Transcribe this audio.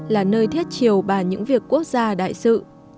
là nơi thiết chiều bàn những việc quốc gia đại sự